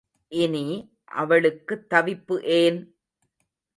இனி அவளுக்குத் தவிப்பு ஏன்?